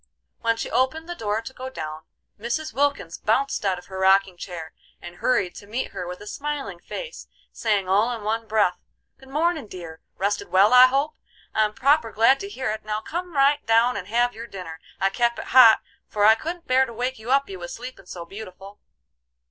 When she opened the door to go down, Mrs. Wilkins bounced out of her rocking chair and hurried to meet her with a smiling face, saying all in one breath: "Good mornin', dear! Rested well, I hope? I'm proper glad to hear it. Now come right down and have your dinner. I kep it hot, for I couldn't bear to wake you up, you was sleepin' so beautiful."